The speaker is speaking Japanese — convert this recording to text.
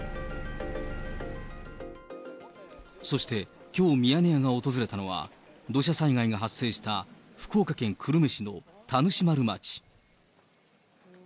そして、きょう、ミヤネ屋が訪れたのは、土砂災害が発生した福岡県久留米市の田主丸町。